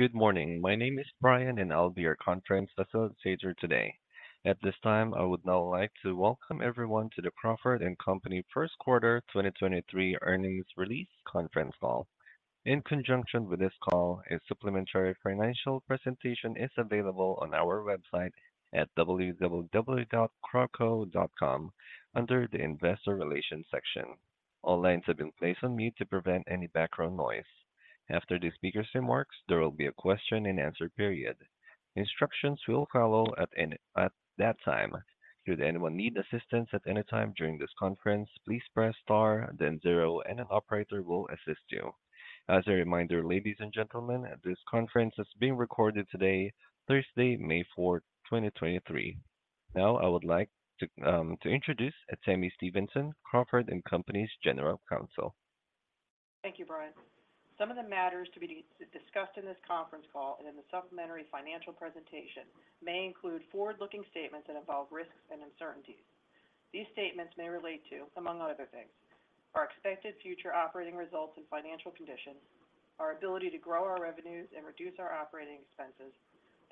Good morning. My name is Brian, and I'll be your conference facilitator today. At this time, I would now like to welcome everyone to the Crawford & Company Q1 2023 earnings release conference call. In conjunction with this call, a supplementary financial presentation is available on our website at www.crawco.com under the Investor Relations section. All lines have been placed on mute to prevent any background noise. After the speaker's remarks, there will be a question-and-answer period. Instructions will follow at that time. Should anyone need assistance at any time during this conference, please press star then zero, and an operator will assist you. As a reminder, ladies and gentlemen, this conference is being recorded today, Thursday, May 4th, 2023. I would like to introduce Tami Stevenson, Crawford & Company's General Counsel. Thank you, Brian. Some of the matters to be discussed in this conference call and in the supplementary financial presentation may include forward-looking statements that involve risks and uncertainties. These statements may relate to, among other things, our expected future operating results and financial conditions, our ability to grow our revenues and reduce our operating expenses,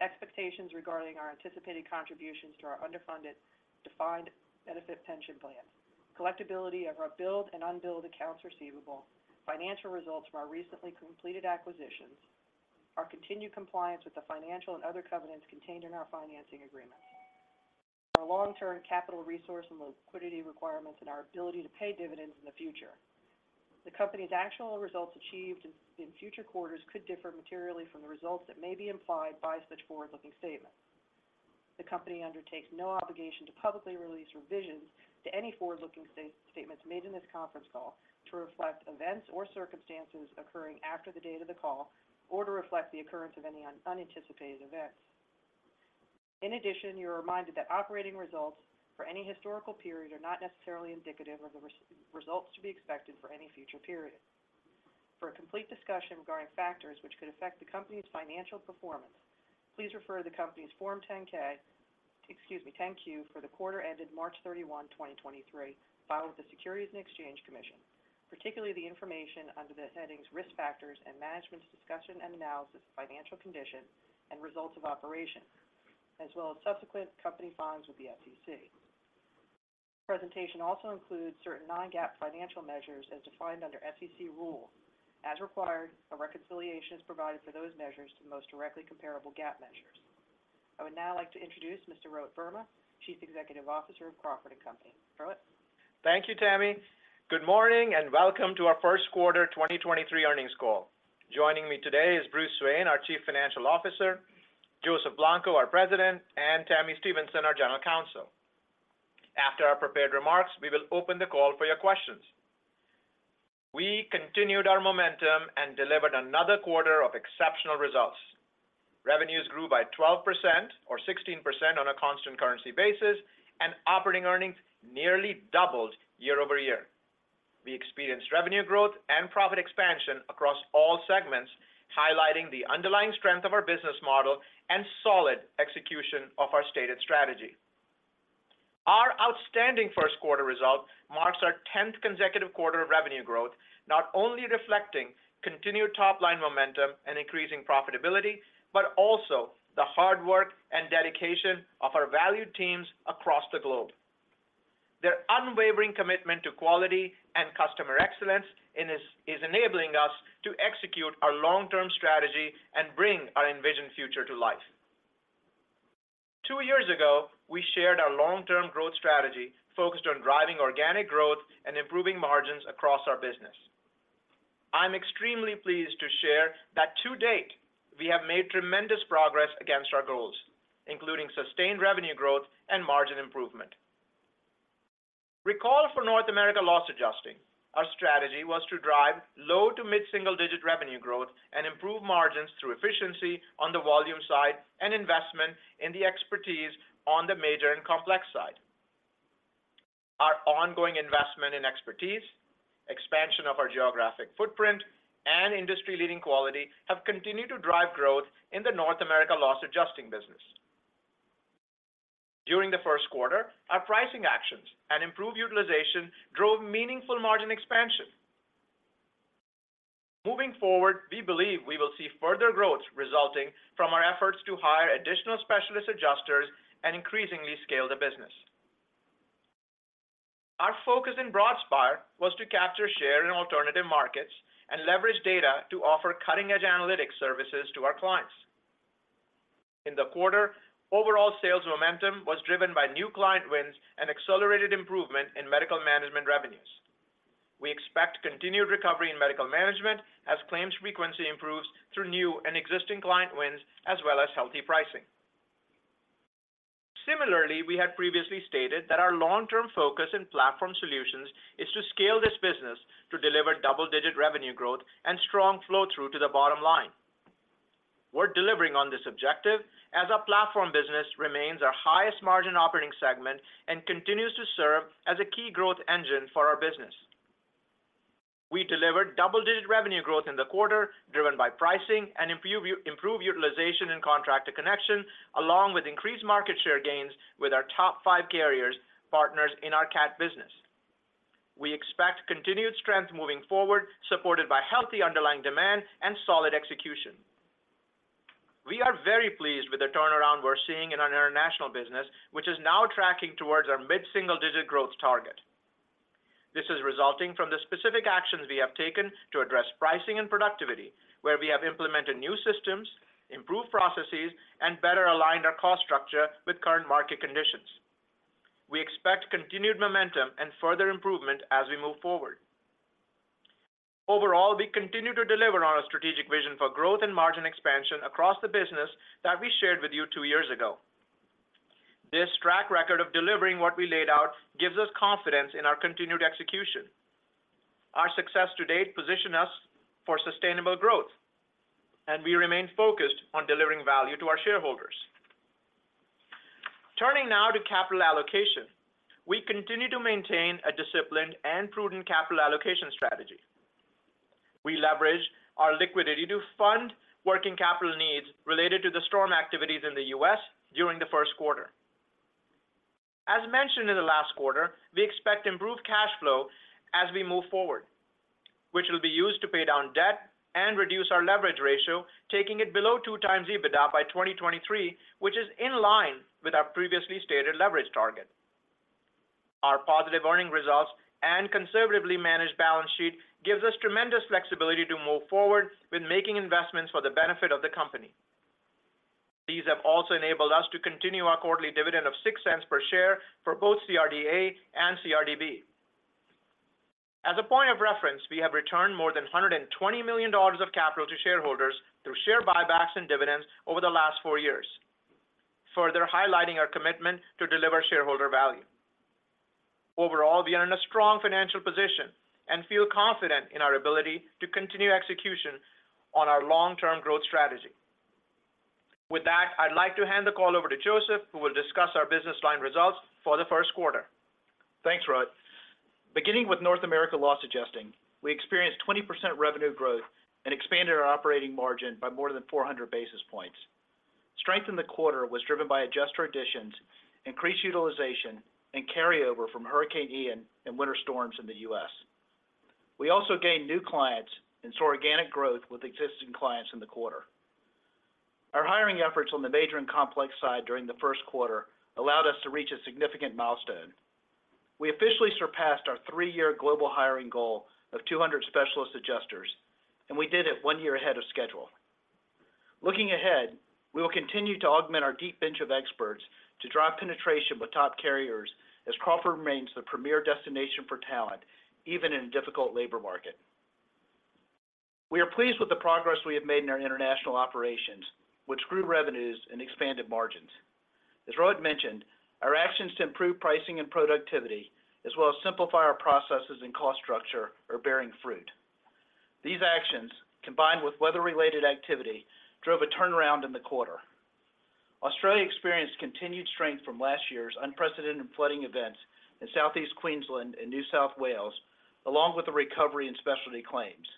expectations regarding our anticipated contributions to our underfunded defined benefit pension plans, collectibility of our billed and unbilled accounts receivable, financial results from our recently completed acquisitions, our continued compliance with the financial and other covenants contained in our financing agreements, our long-term capital resource and liquidity requirements, and our ability to pay dividends in the future. The company's actual results achieved in future quarters could differ materially from the results that may be implied by such forward-looking statements. The company undertakes no obligation to publicly release revisions to any forward-looking statements made in this conference call to reflect events or circumstances occurring after the date of the call or to reflect the occurrence of any unanticipated events. In addition, you're reminded that operating results for any historical period are not necessarily indicative of the results to be expected for any future period. For a complete discussion regarding factors which could affect the company's financial performance, please refer to the company's Form 10-K, excuse me, 10-Q for the quarter ended March 31, 2023, filed with the Securities and Exchange Commission, particularly the information under the headings Risk Factors and Management's Discussion and Analysis of Financial Condition and Results of Operations, as well as subsequent company filings with the SEC. The presentation also includes certain non-GAAP financial measures as defined under SEC rule. As required, a reconciliation is provided for those measures to the most directly comparable GAAP measures. I would now like to introduce Mr. Rohit Verma, Chief Executive Officer of Crawford & Company. Rohit. Thank you, Tami. Good morning, and welcome to our Q1 2023 earnings call. Joining me today is Bruce Swain, our Chief Financial Officer, Joseph Blanco, our President, and Tami Stevenson, our General Counsel. After our prepared remarks, we will open the call for your questions. We continued our momentum and delivered another quarter of exceptional results. Revenues grew by 12% or 16% on a constant currency basis, and operating earnings nearly doubled year-over-year. We experienced revenue growth and profit expansion across all segments, highlighting the underlying strength of our business model and solid execution of our stated strategy. Our outstanding Q1 result marks our 10th consecutive quarter of revenue growth, not only reflecting continued top-line momentum and increasing profitability, but also the hard work and dedication of our valued teams across the globe. Their unwavering commitment to quality and customer excellence is enabling us to execute our long-term strategy and bring our envisioned future to life. Two years ago, we shared our long-term growth strategy focused on driving organic growth and improving margins across our business. I'm extremely pleased to share that to date, we have made tremendous progress against our goals, including sustained revenue growth and margin improvement. Recall for North America Loss Adjusting, our strategy was to drive low to mid-single-digit revenue growth and improve margins through efficiency on the volume side and investment in the expertise on the major and complex side. Our ongoing investment in expertise, expansion of our geographic footprint, and industry-leading quality have continued to drive growth in the North America Loss Adjusting business. During the Q1, our pricing actions and improved utilization drove meaningful margin expansion. Moving forward, we believe we will see further growth resulting from our efforts to hire additional specialist adjusters and increasingly scale the business. Our focus in Broadspire was to capture share in alternative markets and leverage data to offer cutting-edge analytics services to our clients. In the quarter, overall sales momentum was driven by new client wins and accelerated improvement in medical management revenues. We expect continued recovery in medical management as claims frequency improves through new and existing client wins as well as healthy pricing. Similarly, we had previously stated that our long-term focus in Platform Solutions is to scale this business to deliver double-digit revenue growth and strong flow-through to the bottom line. We're delivering on this objective as our Platform business remains our highest margin operating segment and continues to serve as a key growth engine for our business. We delivered double-digit revenue growth in the quarter, driven by pricing and improved utilization in Contractor Connection, along with increased market share gains with our top five carriers partners in our CAT business. We expect continued strength moving forward, supported by healthy underlying demand and solid execution. We are very pleased with the turnaround we're seeing in our international business, which is now tracking towards our mid-single digit growth target. This is resulting from the specific actions we have taken to address pricing and productivity, where we have implemented new systems, improved processes, and better aligned our cost structure with current market conditions. We expect continued momentum and further improvement as we move forward. Overall, we continue to deliver on our strategic vision for growth and margin expansion across the business that we shared with you two-years ago. This track record of delivering what we laid out gives us confidence in our continued execution. Our success to date position us for sustainable growth, and we remain focused on delivering value to our shareholders. Turning now to capital allocation. We continue to maintain a disciplined and prudent capital allocation strategy. We leverage our liquidity to fund working capital needs related to the storm activities in the U.S. during the Q1. As mentioned in the last quarter, we expect improved cash flow as we move forward, which will be used to pay down debt and reduce our leverage ratio, taking it below two times EBITDA by 2023, which is in line with our previously stated leverage target. Our positive earning results and conservatively managed balance sheet gives us tremendous flexibility to move forward with making investments for the benefit of the company. These have also enabled us to continue our quarterly dividend of $0.06 per share for both CRD-A and CRD-B. As a point of reference, we have returned more than $120 million of capital to shareholders through share buybacks and dividends over the last four years, further highlighting our commitment to deliver shareholder value. Overall, we are in a strong financial position and feel confident in our ability to continue execution on our long-term growth strategy. With that, I'd like to hand the call over to Joseph, who will discuss our business line results for the Q1. Thanks, Rohit. Beginning with North America Loss Adjusting, we experienced 20% revenue growth and expanded our operating margin by more than 400 basis points. Strength in the quarter was driven by adjuster additions, increased utilization, and carryover from Hurricane Ian and winter storms in the U.S. We also gained new clients and saw organic growth with existing clients in the quarter. Our hiring efforts on the major and complex side during the Q1 allowed us to reach a significant milestone. We officially surpassed our three-year global hiring goal of 200 specialist adjusters, and we did it one year ahead of schedule. Looking ahead, we will continue to augment our deep bench of experts to drive penetration with top carriers as Crawford remains the premier destination for talent, even in a difficult labor market. We are pleased with the progress we have made in our international operations, which grew revenues and expanded margins. As Rohit mentioned, our actions to improve pricing and productivity, as well as simplify our processes and cost structure, are bearing fruit. These actions, combined with weather-related activity, drove a turnaround in the quarter. Australia experienced continued strength from last year's unprecedented flooding events in Southeast Queensland and New South Wales, along with the recovery in specialty claims.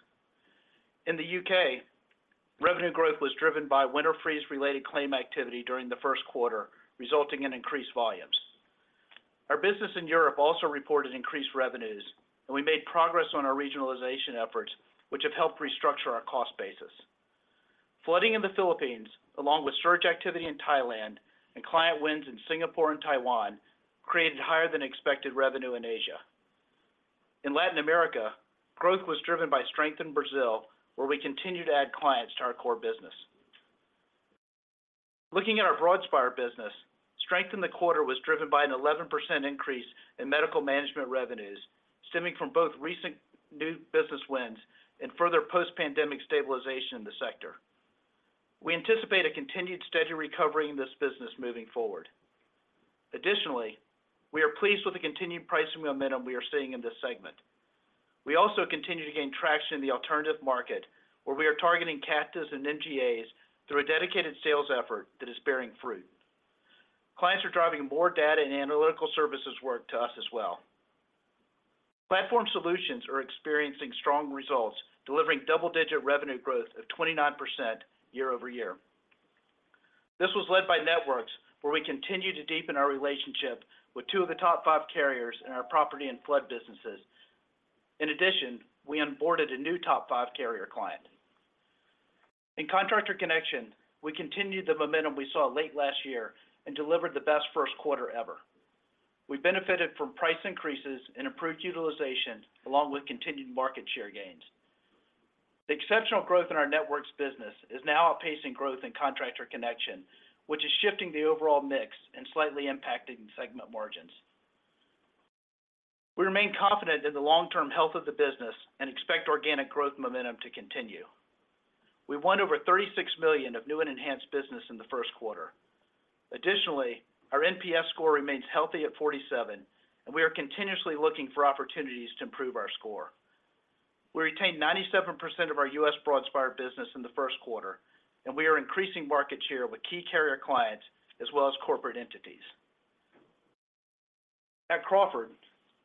In the U.K., revenue growth was driven by winter freeze-related claim activity during the Q1, resulting in increased volumes. Our business in Europe also reported increased revenues, and we made progress on our regionalization efforts, which have helped restructure our cost basis. Flooding in the Philippines, along with surge activity in Thailand and client wins in Singapore and Taiwan, created higher than expected revenue in Asia. In Latin America, growth was driven by strength in Brazil, where we continue to add clients to our core business. Looking at our Broadspire business, strength in the quarter was driven by an 11% increase in medical management revenues stemming from both recent new business wins and further post-pandemic stabilization in the sector. We anticipate a continued steady recovery in this business moving forward. We are pleased with the continued pricing momentum we are seeing in this segment. We also continue to gain traction in the alternative market, where we are targeting captives and MGAs through a dedicated sales effort that is bearing fruit. Clients are driving more data and analytical services work to us as well. Platform Solutions are experiencing strong results, delivering double-digit revenue growth of 29% year-over-year. This was led by networks, where we continue to deepen our relationship with two of the top five carriers in our property and flood businesses. In addition, we onboarded a new top five carrier client. In Contractor Connection, we continued the momentum we saw late last year and delivered the best Q1 ever. We benefited from price increases and improved utilization along with continued market share gains. The exceptional growth in our networks business is now outpacing growth in Contractor Connection, which is shifting the overall mix and slightly impacting segment margins. We remain confident in the long-term health of the business and expect organic growth momentum to continue. We won over $36 million of new and enhanced business in the Q1. Additionally, our NPS score remains healthy at 47, and we are continuously looking for opportunities to improve our score. We retained 97% of our U.S. Broadspire business in the Q1. We are increasing market share with key carrier clients as well as corporate entities. At Crawford,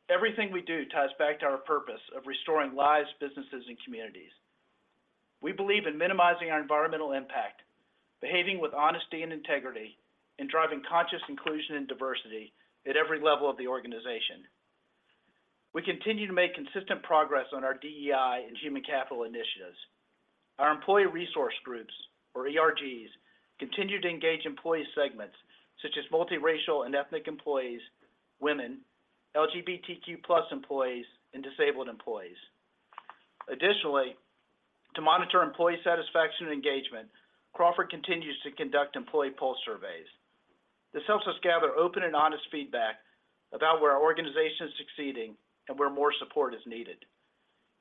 everything we do ties back to our purpose of restoring lives, businesses, and communities. We believe in minimizing our environmental impact, behaving with honesty and integrity, and driving conscious inclusion and diversity at every level of the organization. We continue to make consistent progress on our DEI and human capital initiatives. Our employee resource groups, or ERGs, continue to engage employee segments such as multiracial and ethnic employees, women, LGBTQ plus employees, and disabled employees. Additionally, to monitor employee satisfaction and engagement, Crawford continues to conduct employee pulse surveys. This helps us gather open and honest feedback about where our organization is succeeding and where more support is needed.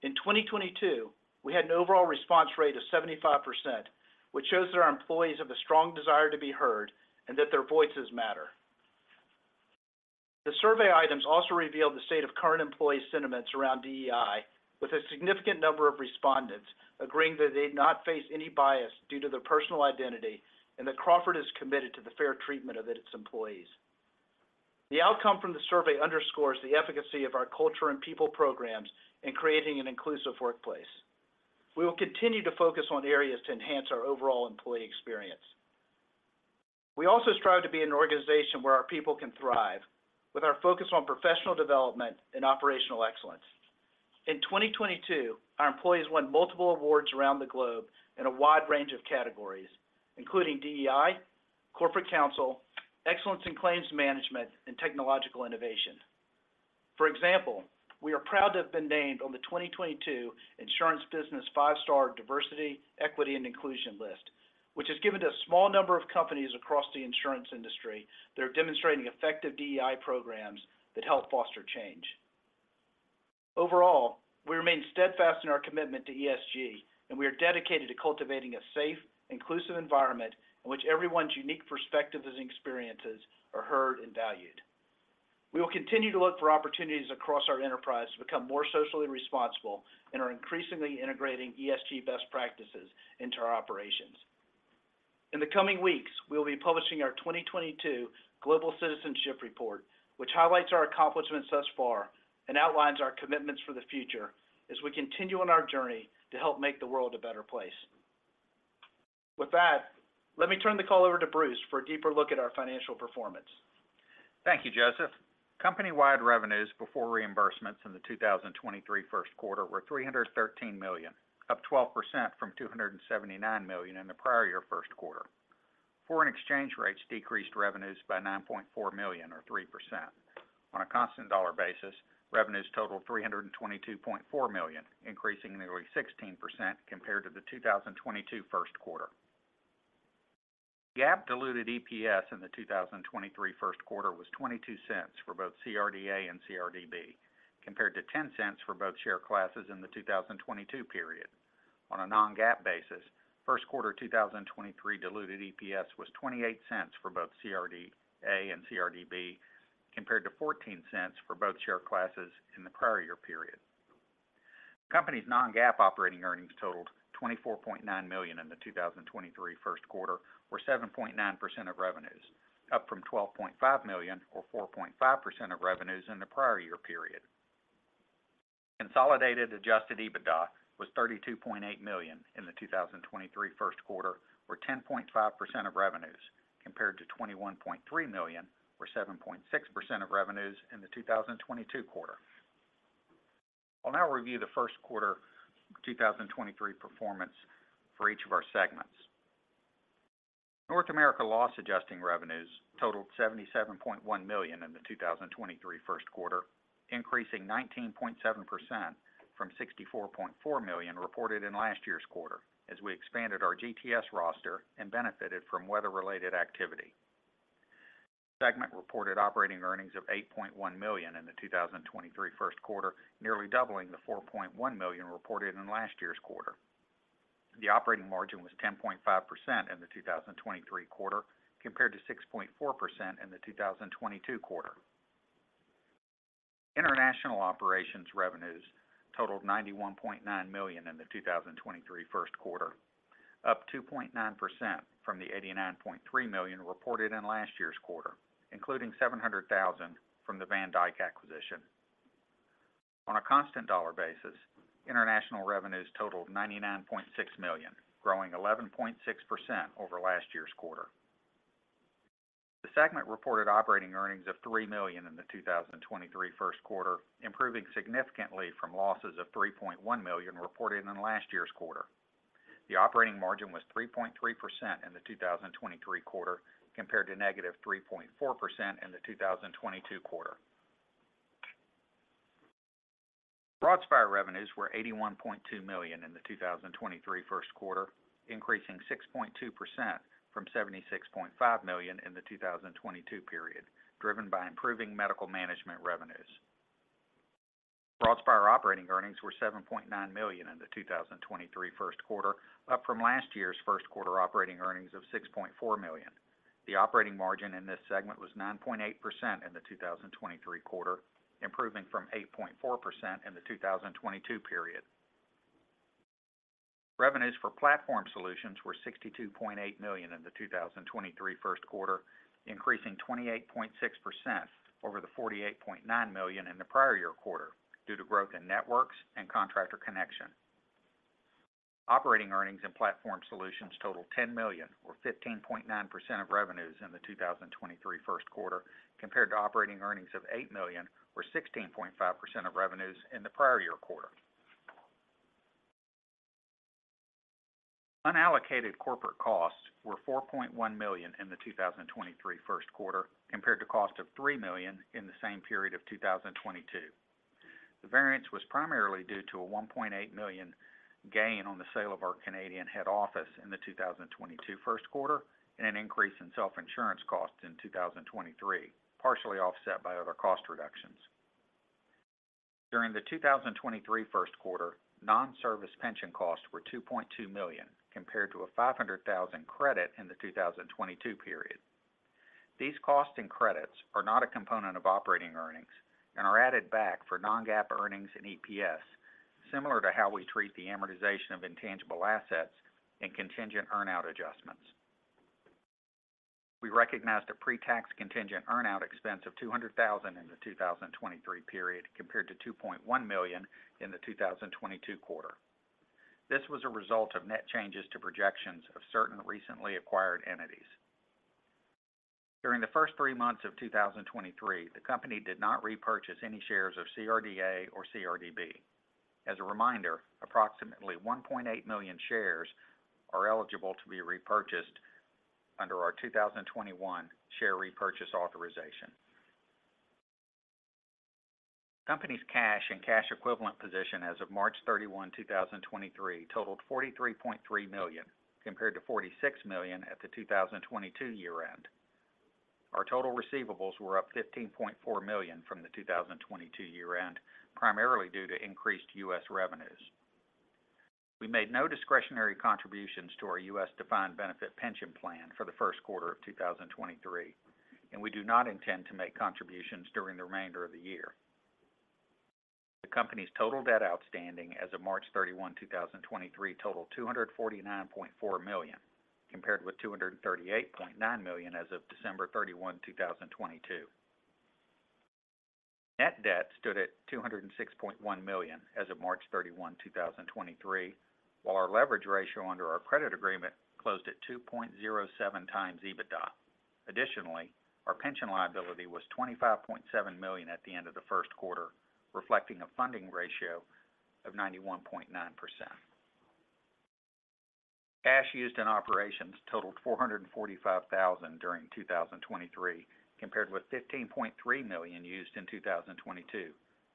In 2022, we had an overall response rate of 75%, which shows that our employees have a strong desire to be heard and that their voices matter. The survey items also revealed the state of current employee sentiments around DEI, with a significant number of respondents agreeing that they did not face any bias due to their personal identity and that Crawford is committed to the fair treatment of its employees. The outcome from the survey underscores the efficacy of our culture and people programs in creating an inclusive workplace. We will continue to focus on areas to enhance our overall employee experience. We also strive to be an organization where our people can thrive with our focus on professional development and operational excellence. In 2022, our employees won multiple awards around the globe in a wide range of categories, including DEI, corporate council, excellence in claims management, and technological innovation. For example, we are proud to have been named on the 2022 Insurance Business 5-Star Diversity, Equity and Inclusion list, which is given to a small number of companies across the insurance industry that are demonstrating effective DEI programs that help foster change. Overall, we remain steadfast in our commitment to ESG, and we are dedicated to cultivating a safe, inclusive environment in which everyone's unique perspectives and experiences are heard and valued. We will continue to look for opportunities across our enterprise to become more socially responsible and are increasingly integrating ESG best practices into our operations. In the coming weeks, we will be publishing our 2022 Global Citizenship Report, which highlights our accomplishments thus far and outlines our commitments for the future as we continue on our journey to help make the world a better place. With that, let me turn the call over to Bruce for a deeper look at our financial performance. Thank you, Joseph. Company-wide revenues before reimbursements in the 2023 Q1 were $313 million, up 12% from $279 million in the prior year Q1. Foreign exchange rates decreased revenues by $9.4 million, or 3%. On a constant dollar basis, revenues totaled $322.4 million, increasing nearly 16% compared to the 2022 Q1. GAAP diluted EPS in the 2023 Q1 was $0.22 for both CRD-A and CRD-B, compared to $0.10 for both share classes in the 2022 period. On a non-GAAP basis, Q1 2023 diluted EPS was $0.28 for both CRD-A and CRD-B, compared to $0.14 for both share classes in the prior year period. The company's non-GAAP operating earnings totaled $24.9 million in the 2023 Q1, or 7.9% of revenues, up from $12.5 million or 4.5% of revenues in the prior year period. Consolidated adjusted EBITDA was $32.8 million in the 2023 Q1, or 10.5% of revenues, compared to $21.3 million or 7.6% of revenues in the 2022 quarter. I'll now review the Q1 2023 performance for each of our segments. North America Loss Adjusting revenues totaled $77.1 million in the 2023 Q1, increasing 19.7% from $64.4 million reported in last year's quarter as we expanded our GTS roster and benefited from weather-related activity. The segment reported operating earnings of $8.1 million in the 2023 Q1, nearly doubling the $4.1 million reported in last year's quarter. The operating margin was 10.5% in the 2023 quarter compared to 6.4% in the 2022 quarter. International operations revenues totaled $91.9 million in the 2023 Q1, up 2.9% from the $89.3 million reported in last year's quarter, including $700,000 from the Van Dijk acquisition. On a constant dollar basis, international revenues totaled $99.6 million, growing 11.6% over last year's quarter. The segment reported operating earnings of $3 million in the 2023 Q1, improving significantly from losses of $3.1 million reported in last year's quarter. The operating margin was 3.3% in the 2023 quarter compared to -3.4% in the 2022 quarter. Broadspire revenues were $81.2 million in the 2023 Q1, increasing 6.2% from $76.5 million in the 2022 period, driven by improving medical management revenues. Broadspire operating earnings were $7.9 million in the 2023 Q1, up from last year's Q1 operating earnings of $6.4 million. The operating margin in this segment was 9.8% in the 2023 quarter, improving from 8.4% in the 2022 period. Revenues for Platform Solutions were $62.8 million in the 2023 Q1, increasing 28.6% over the $48.9 million in the prior year quarter due to growth in networks and Contractor Connection. Operating earnings and Platform Solutions totaled $10 million or 15.9% of revenues in the 2023 Q1 compared to operating earnings of $8 million or 16.5% of revenues in the prior year quarter. Unallocated corporate costs were $4.1 million in the 2023 Q1 compared to cost of $3 million in the same period of 2022. The variance was primarily due to a 1.8 million gain on the sale of our Canadian head office in the 2022 Q1 and an increase in self-insurance costs in 2023, partially offset by other cost reductions. During the 2023 Q1, non-service pension costs were $2.2 million compared to a $500,000 credit in the 2022 period. These costs and credits are not a component of operating earnings and are added back for non-GAAP earnings and EPS, similar to how we treat the amortization of intangible assets and contingent earn-out adjustments. We recognized a pre-tax contingent earn-out expense of $200,000 in the 2023 period compared to $2.1 million in the 2022 quarter. This was a result of net changes to projections of certain recently acquired entities. During the first 3 months of 2023, the company did not repurchase any shares of CRD-A or CRD-B. As a reminder, approximately 1.8 million shares are eligible to be repurchased under our 2021 share repurchase authorization. Company's cash and cash equivalent position as of March 31, 2023 totaled $43.3 million compared to $46 million at the 2022 year-end. Our total receivables were up $15.4 million from the 2022 year-end, primarily due to increased U.S. revenues. We made no discretionary contributions to our U.S. defined benefit pension plan for the Q1 of 2023, and we do not intend to make contributions during the remainder of the year. The company's total debt outstanding as of March 31, 2023 totaled $249.4 million, compared with $238.9 million as of December 31, 2022. Net debt stood at $206.1 million as of March 31, 2023, while our leverage ratio under our credit agreement closed at 2.07 times EBITDA. Our pension liability was $25.7 million at the end of the Q1, reflecting a funding ratio of 91.9%. Cash used in operations totaled $445,000 during 2023 compared with $15.3 million used in 2022.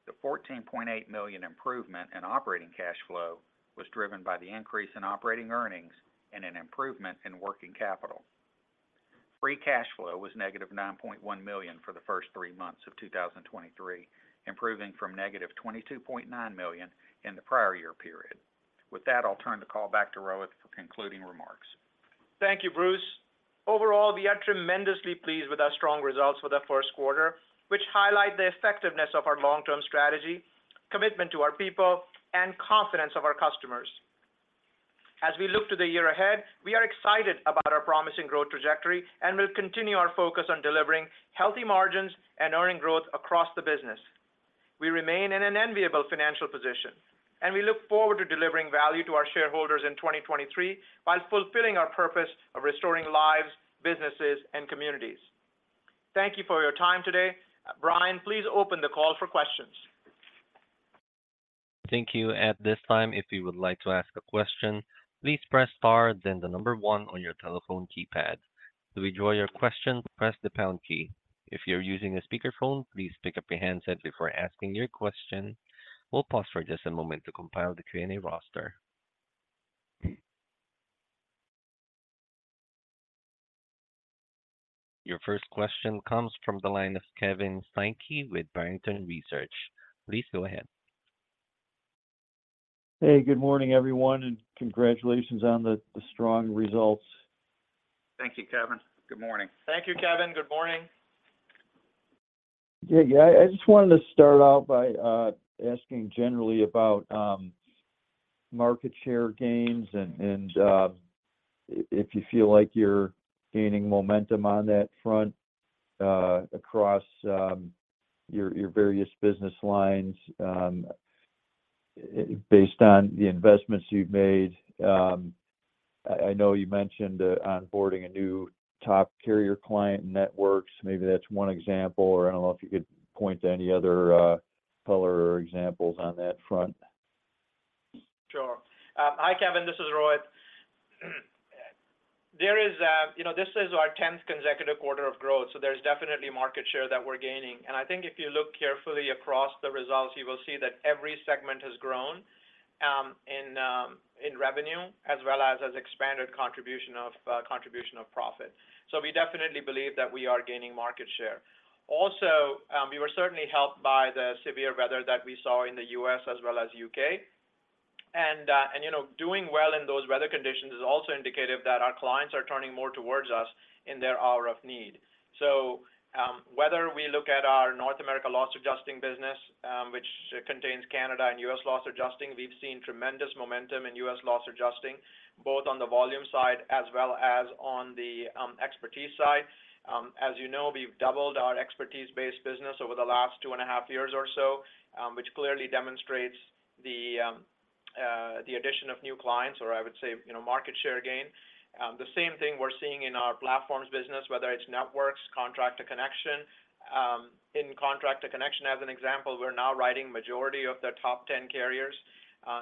The $14.8 million improvement in operating cash flow was driven by the increase in operating earnings and an improvement in working capital. Free cash flow was -$9.1 million for the first three months of 2023, improving from -$22.9 million in the prior year period. With that, I'll turn the call back to Rohit for concluding remarks. Thank you, Bruce. Overall, we are tremendously pleased with our strong results for the Q1, which highlight the effectiveness of our long-term strategy, commitment to our people, and confidence of our customers. As we look to the year ahead, we are excited about our promising growth trajectory, and we'll continue our focus on delivering healthy margins and earning growth across the business. We remain in an enviable financial position, and we look forward to delivering value to our shareholders in 2023 while fulfilling our purpose of restoring lives, businesses, and communities. Thank you for your time today. Brian, please open the call for questions. Thank you. At this time, if you would like to ask a question, please press star, then the number one on your telephone keypad. To withdraw your question, press the pound key. If you're using a speakerphone, please pick up your handset before asking your question. We'll pause for just a moment to compile the Q&A roster. Your first question comes from the line of Kevin Steinke with Barrington Research. Please go ahead. Hey, good morning, everyone, and congratulations on the strong results. Thank you, Kevin. Good morning. Thank you, Kevin. Good morning. I just wanted to start out by asking generally about market share gains and if you feel like you're gaining momentum on that front, across your various business lines, based on the investments you've made. I know you mentioned onboarding a new top carrier client networks. Maybe that's one example, or I don't know if you could point to any other color or examples on that front. Sure. Hi, Kevin. This is Rohit. There is, you know, this is our 10th consecutive quarter of growth, so there's definitely market share that we're gaining. I think if you look carefully across the results, you will see that every segment has grown in revenue as well as expanded contribution of profit. We definitely believe that we are gaining market share. We were certainly helped by the severe weather that we saw in the U.S. as well as U.K. You know, doing well in those weather conditions is also indicative that our clients are turning more towards us in their hour of need. Whether we look at our North America Loss Adjusting business, which contains Canada and U.S. loss adjusting, we've seen tremendous momentum in U.S. loss adjusting, both on the volume side as well as on the expertise side. As you know, we've doubled our expertise-based business over the last two and a half years or so, which clearly demonstrates the addition of new clients or I would say, you know, market share gain. The same thing we're seeing in our platforms business, whether it's networks, Contractor Connection. In Contractor Connection, as an example, we're now riding majority of the top 10 carriers,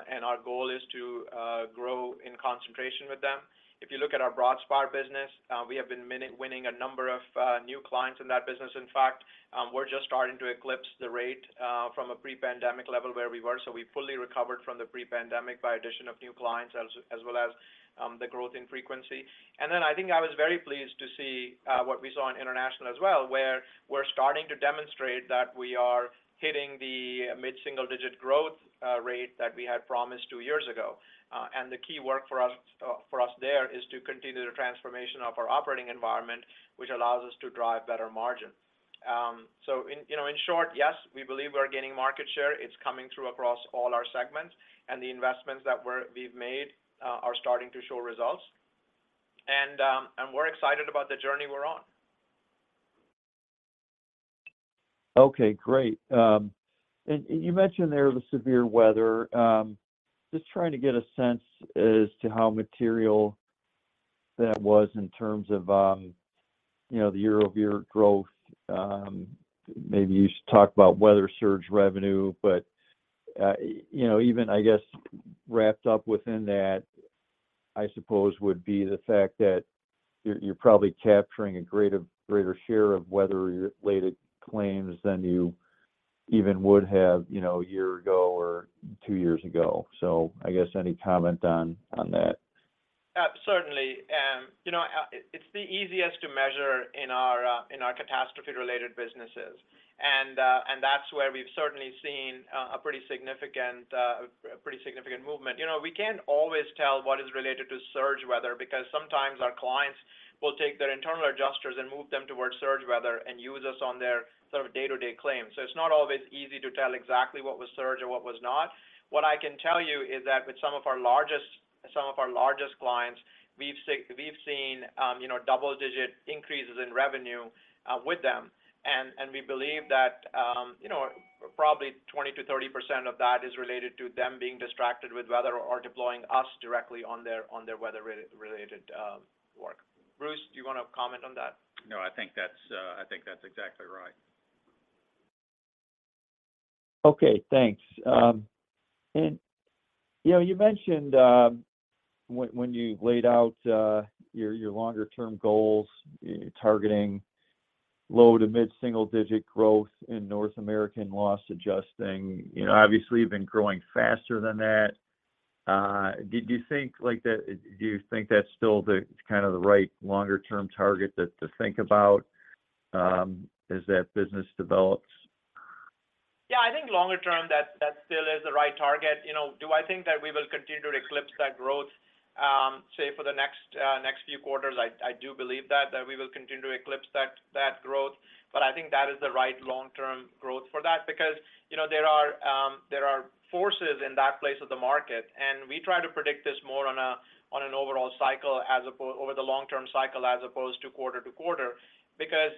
and our goal is to grow in concentration with them. If you look at our Broadspire business, we have been winning a number of new clients in that business. In fact, we're just starting to eclipse the rate from a pre-pandemic level where we were. We fully recovered from the pre-pandemic by addition of new clients as well as the growth in frequency. I think I was very pleased to see what we saw in international as well, where we're starting to demonstrate that we are hitting the mid-single-digit growth rate that we had promised two years ago. The key work for us there is to continue the transformation of our operating environment, which allows us to drive better margin. In, you know, in short, yes, we believe we're gaining market share. It's coming through across all our segments, and the investments that we've made are starting to show results. We're excited about the journey we're on. Okay, great. You mentioned there the severe weather. Just trying to get a sense as to how material that was in terms of, you know, the year-over-year growth. Maybe you should talk about weather surge revenue. You know, even, I guess, wrapped up within that, I suppose, would be the fact that you're probably capturing a greater share of weather-related claims than you even would have, you know, a year ago or two years ago. I guess any comment on that? Certainly. You know, it's the easiest to measure in our catastrophe-related businesses. That's where we've certainly seen a pretty significant movement. You know, we can't always tell what is related to surge weather because sometimes our clients will take their internal adjusters and move them towards surge weather and use us on their sort of day-to-day claims. It's not always easy to tell exactly what was surge or what was not. What I can tell you is that with some of our largest clients, we've seen, you know, double-digit increases in revenue with them. We believe that, you know, probably 20% to 30% of that is related to them being distracted with weather or deploying us directly on their, on their weather re-related work. Bruce, do you wanna comment on that? No, I think that's, I think that's exactly right. Okay, thanks. You know, you mentioned, when you laid out, your longer term goals, targeting low to mid-single digit growth in North America Loss Adjusting. You know, obviously you've been growing faster than that. Do you think that's still the kind of the right longer term target to think about, as that business develops? Yeah. I think longer term, that still is the right target. You know, do I think that we will continue to eclipse that growth, say, for the next few quarters? I do believe that we will continue to eclipse that growth. I think that is the right long-term growth for that because, you know, there are, there are forces in that place of the market, and we try to predict this more on a, on an overall cycle over the long-term cycle as opposed to quarter-to-quarter because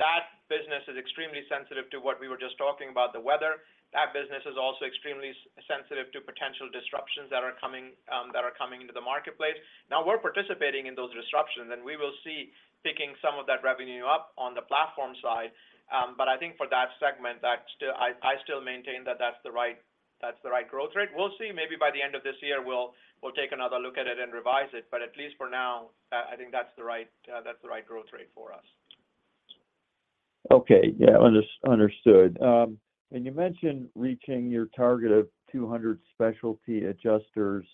that business is extremely sensitive to what we were just talking about, the weather. That business is also extremely sensitive to potential disruptions that are coming, that are coming into the marketplace. We're participating in those disruptions. We will see picking some of that revenue up on the platform side. I think for that segment, I still maintain that's the right growth rate. We'll see. Maybe by the end of this year, we'll take another look at it and revise it. At least for now, I think that's the right growth rate for us. Okay. Yeah. Under-understood. You mentioned reaching your target of 200 specialty adjusters,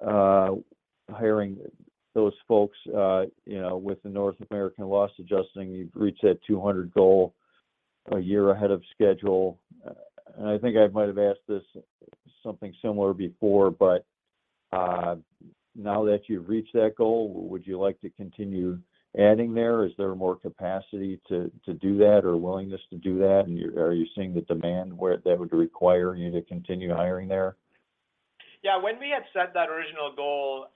hiring those folks, you know, with the North America Loss Adjusting. You've reached that 200 goal a year ahead of schedule. I think I might have asked this, something similar before, but now that you've reached that goal, would you like to continue adding there? Is there more capacity to do that or willingness to do that? Are you seeing the demand where that would require you to continue hiring there? Yeah. When we had set that original goal,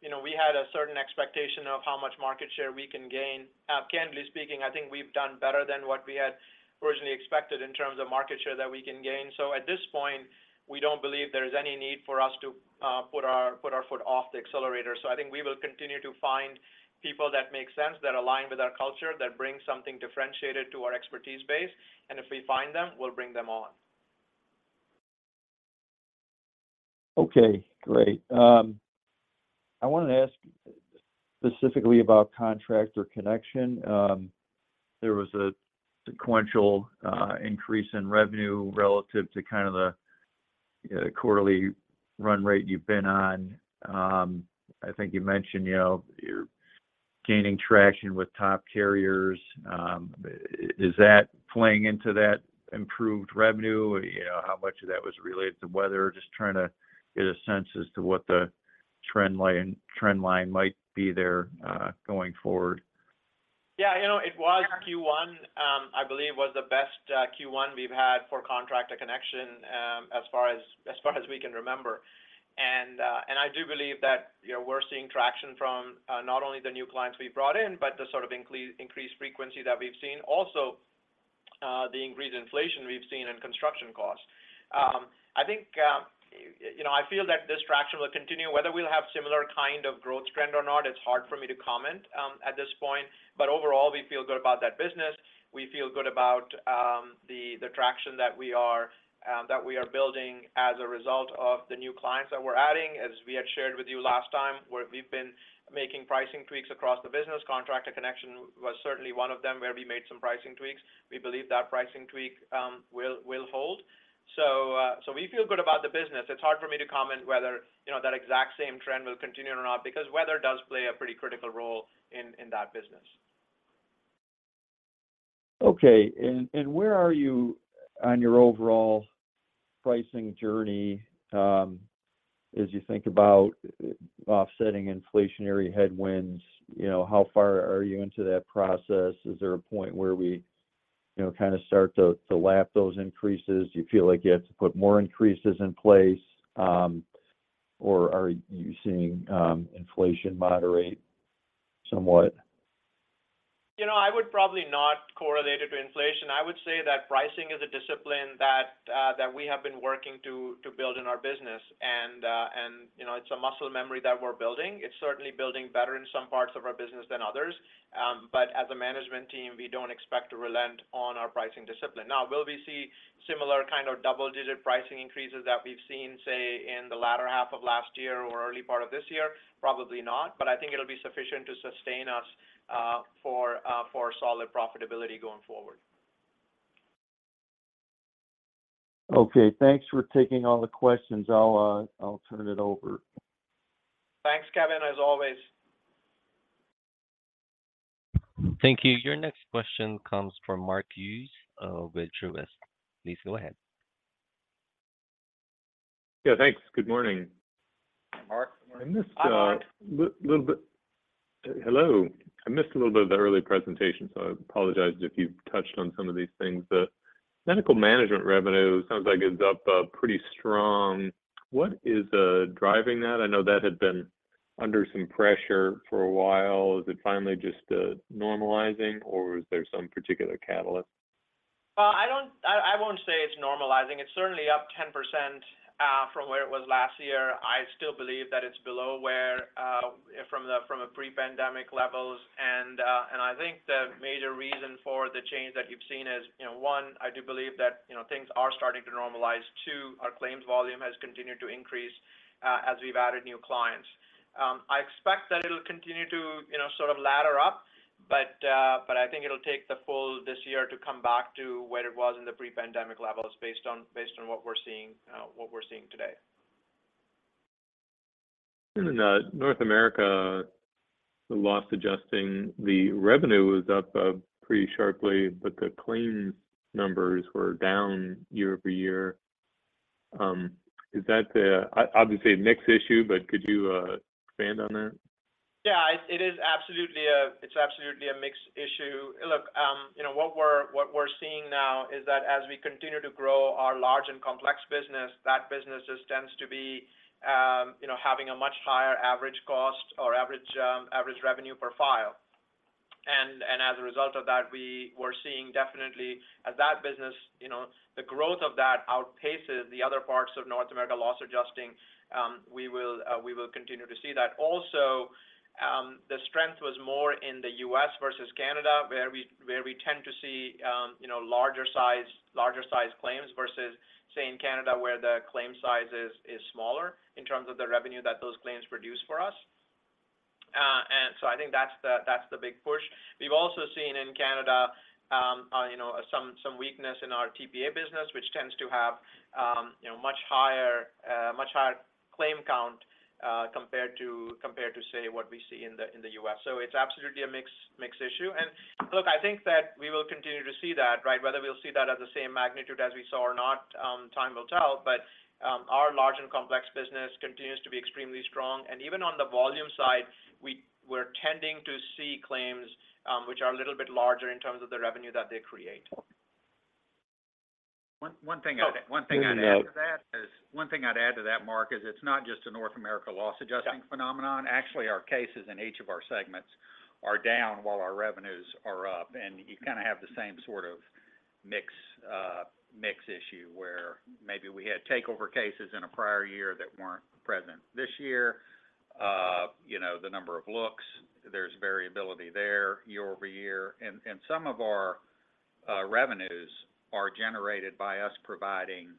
you know, we had a certain expectation of how much market share we can gain. Candidly speaking, I think we've done better than what we had originally expected in terms of market share that we can gain. At this point, we don't believe there's any need for us to put our foot off the accelerator. I think we will continue to find people that make sense, that align with our culture, that bring something differentiated to our expertise base. If we find them, we'll bring them on. Okay, great. I wanted to ask specifically about Contractor Connection. There was a sequential increase in revenue relative to kind of the quarterly run rate you've been on. I think you mentioned, you know, you're gaining traction with top carriers. Is that playing into that improved revenue? You know, how much of that was related to weather? Just trying to get a sense as to what the trend line might be there going forward. Yeah. You know, it was Q1, I believe was the best Q1 we've had for Contractor Connection, as far as we can remember. I do believe that, you know, we're seeing traction from not only the new clients we've brought in, but the sort of increased frequency that we've seen. Also, the increased inflation we've seen in construction costs. I think, you know, I feel that this traction will continue. Whether we'll have similar kind of growth trend or not, it's hard for me to comment at this point. Overall, we feel good about that business. We feel good about the traction that we are building as a result of the new clients that we're adding. As we had shared with you last time, where we've been making pricing tweaks across the business, Contractor Connection was certainly one of them where we made some pricing tweaks. We believe that pricing tweak will hold. We feel good about the business. It's hard for me to comment whether, you know, that exact same trend will continue or not, because weather does play a pretty critical role in that business. Okay. Where are you on your overall pricing journey, as you think about offsetting inflationary headwinds? You know, how far are you into that process? Is there a point where we, you know, kind of start to lap those increases? Do you feel like you have to put more increases in place, or are you seeing inflation moderate somewhat? You know, I would probably not correlate it to inflation. I would say that pricing is a discipline that we have been working to build in our business. You know, it's a muscle memory that we're building. It's certainly building better in some parts of our business than others. As a management team, we don't expect to relent on our pricing discipline. Now, will we see similar kind of double-digit pricing increases that we've seen, say, in the latter half of last year or early part of this year? Probably not. I think it'll be sufficient to sustain us for solid profitability going forward. Okay, thanks for taking all the questions. I'll turn it over. Thanks, Kevin, as always. Thank you. Your next question comes from Mark Hughes of Truist. Please go ahead. Yeah, thanks. Good morning. Mark, good morning. I missed, Hi, Mark. little bit. Hello. I missed a little bit of the early presentation. I apologize if you've touched on some of these things. The medical management revenue sounds like it's up pretty strong. What is driving that? I know that had been under some pressure for a while. Is it finally just normalizing, or is there some particular catalyst? Well, I won't say it's normalizing. It's certainly up 10% from where it was last year. I still believe that it's below where from the pre-pandemic levels. I think the major reason for the change that you've seen is, you know, one, I do believe that, you know, things are starting to normalize. Two, our claims volume has continued to increase as we've added new clients. I expect that it'll continue to, you know, sort of ladder up. I think it'll take the full this year to come back to where it was in the pre-pandemic levels based on what we're seeing, what we're seeing today. In North America Loss Adjusting, the revenue was up pretty sharply, but the claims numbers were down year-over-year. Is that obviously a mixed issue, but could you expand on that? Yeah. It's absolutely a mixed issue. Look, you know, what we're seeing now is that as we continue to grow our large and complex business, that business just tends to be, you know, having a much higher average cost or average average revenue per file. As a result of that, we're seeing definitely as that business, you know, the growth of that outpaces the other parts of North America Loss Adjusting, we will continue to see that. Also, the strength was more in the U.S. versus Canada, where we tend to see, you know, larger size claims versus, say, in Canada, where the claim size is smaller in terms of the revenue that those claims produce for us. I think that's the, that's the big push. We've also seen in Canada, you know, some weakness in our TPA business, which tends to have, you know, much higher, much higher claim count, compared to, compared to, say, what we see in the, in the U.S. It's absolutely a mixed issue. Look, I think that we will continue to see that, right? Whether we'll see that at the same magnitude as we saw or not, time will tell. Our large and complex business continues to be extremely strong. Even on the volume side, we're tending to see claims, which are a little bit larger in terms of the revenue that they create. One thing. Oh. One thing I'd add to that, Mark, is it's not just a North America Loss Adjusting phenomenon. Yeah. Actually, our cases in each of our segments are down while our revenues are up. You kind of have the same sort of mix mix issue where maybe we had takeover cases in a prior year that weren't present this year. You know, the number of looks, there's variability there year-over-year. Some of our revenues are generated by us providing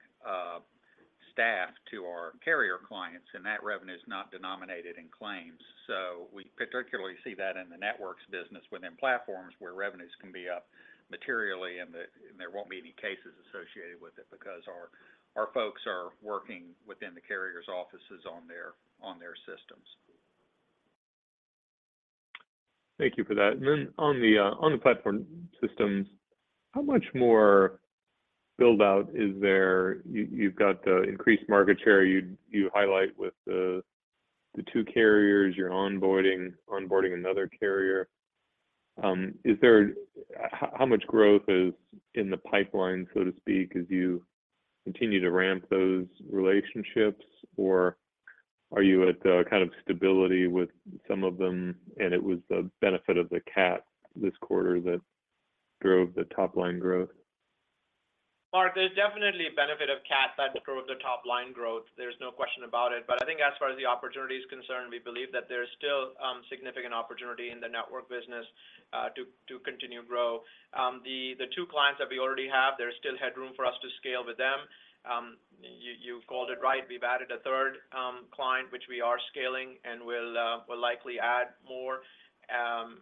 staff to our carrier clients, and that revenue is not denominated in claims. We particularly see that in the networks business within platforms where revenues can be up materially, and there won't be any cases associated with it because our folks are working within the carrier's offices on their, on their systems. Thank you for that. On the Platform Solutions, how much more build out is there? You've got the increased market share you highlight with the two carriers. You're onboarding another carrier. Is there how much growth is in the pipeline, so to speak, as you continue to ramp those relationships? Are you at the kind of stability with some of them, and it was the benefit of the CAT this quarter that drove the top-line growth? Mark, there's definitely a benefit of CAT that drove the top-line growth, there's no question about it. I think as far as the opportunity is concerned, we believe that there's still significant opportunity in the network business to continue to grow. The two clients that we already have, there's still headroom for us to scale with them. You called it right, we've added a third client, which we are scaling, and we'll likely add more.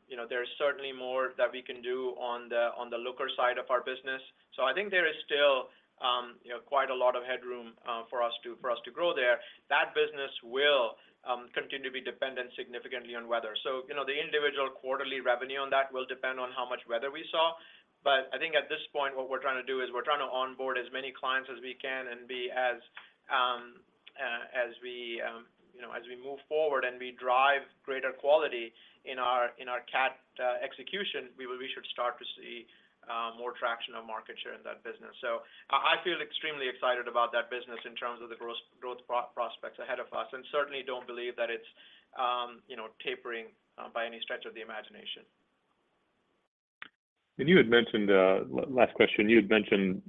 You know, there's certainly more that we can do on the Lloyd's side of our business. I think there is still, you know, quite a lot of headroom for us to grow there. That business will continue to be dependent significantly on weather. You know, the individual quarterly revenue on that will depend on how much weather we saw. I think at this point, what we're trying to do is we're trying to onboard as many clients as we can and be as we, you know, as we move forward and we drive greater quality in our CAT execution, we should start to see more traction on market share in that business. I feel extremely excited about that business in terms of the growth prospects ahead of us, and certainly don't believe that it's, you know, tapering by any stretch of the imagination. You had mentioned, last question, you had mentioned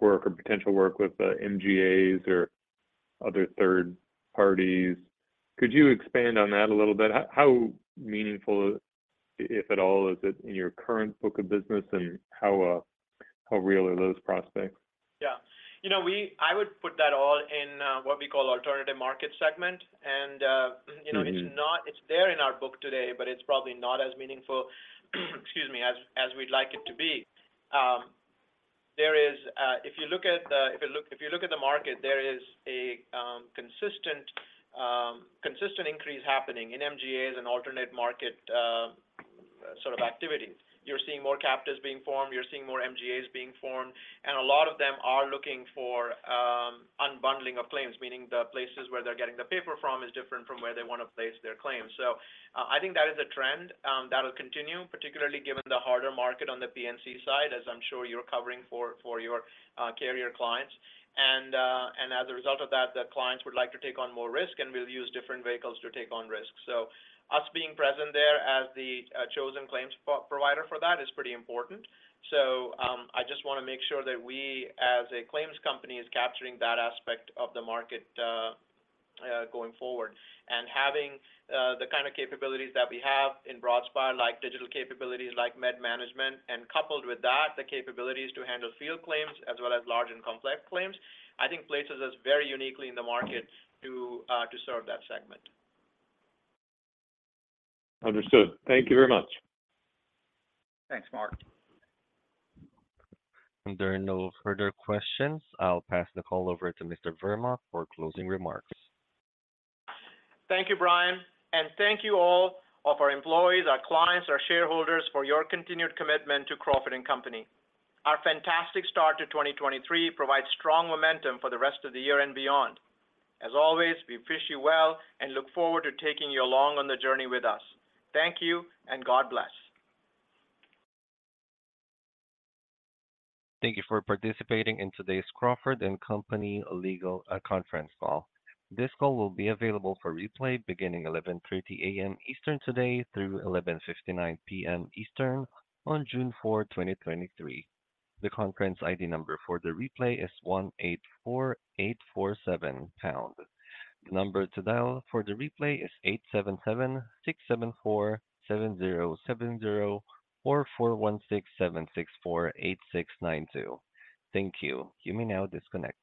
work or potential work with MGAs or other third parties. Could you expand on that a little bit? How meaningful, if at all, is it in your current book of business, and how real are those prospects? Yeah. You know, I would put that all in what we call alternative market segment. you know- Mm-hmm It's there in our book today, but it's probably not as meaningful, excuse me, as we'd like it to be. There is, if you look at the market, there is a consistent increase happening in MGAs and alternate market sort of activity. You're seeing more captives being formed, you're seeing more MGAs being formed, and a lot of them are looking for unbundling of claims. Meaning the places where they're getting the paper from is different from where they wanna place their claims. I think that is a trend that'll continue, particularly given the harder market on the P&C side, as I'm sure you're covering for your carrier clients. As a result of that, the clients would like to take on more risk, and we'll use different vehicles to take on risk. Us being present there as the chosen claims pro-provider for that is pretty important. I just wanna make sure that we, as a claims company, is capturing that aspect of the market going forward. Having the kind of capabilities that we have in Broadspire, like digital capabilities, like med management, and coupled with that, the capabilities to handle field claims as well as large and complex claims, I think places us very uniquely in the market to serve that segment. Understood. Thank you very much. Thanks, Mark. If there are no further questions, I'll pass the call over to Mr. Verma for closing remarks. Thank you, Brian. Thank you all of our employees, our clients, our shareholders, for your continued commitment to Crawford & Company. Our fantastic start to 2023 provides strong momentum for the rest of the year and beyond. As always, we wish you well and look forward to taking you along on the journey with us. Thank you, and God bless. Thank you for participating in today's Crawford & Company legal conference call. This call will be available for replay beginning 11:30 A.M. Eastern today through 11:59 P.M. Eastern on June 4, 2023. The conference ID number for the replay is 184847 pound. The number to dial for the replay is 877-674-7070 or 416-764-8692. Thank you. You may now disconnect.